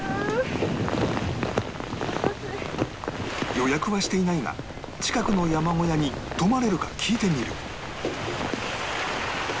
予約はしていないが近くの山小屋に泊まれるか聞いてみる